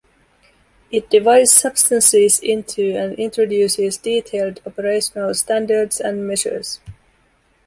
It divides substances into and introduces detailed operational standards and measures.